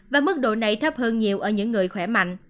và mức độ này thấp hơn nhiều ở những người khỏe mạnh